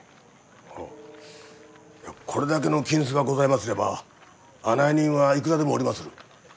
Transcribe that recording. はあこれだけの金子がございますれば案内人はいくらでもおりまする。